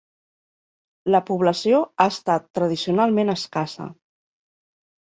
La població ha estat tradicionalment escassa.